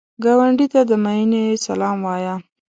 ګاونډي ته د مینې سلام وایه